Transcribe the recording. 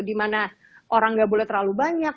dimana orang gak boleh terlalu banyak